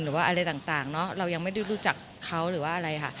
หรือว่าอะไรต่างเนาะเรายังไม่ได้รู้จักเขาหรือว่าอะไรค่ะ